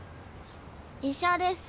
医者です。